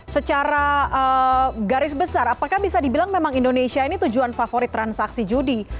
secara garis besar apakah bisa dibilang memang indonesia ini tujuan favorit transaksi judi